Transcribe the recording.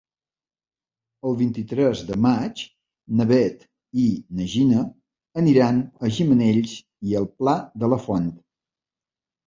El vint-i-tres de maig na Bet i na Gina aniran a Gimenells i el Pla de la Font.